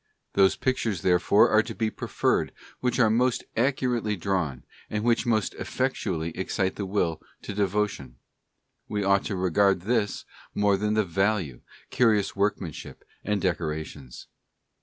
Those pic tures therefore are to be preferred which are most accurately drawn, and which most effectually excite the will to devo tion; we ought to regard this more than the value, curious workmanship, and decorations.